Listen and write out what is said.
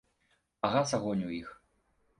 Пагас агонь у іх.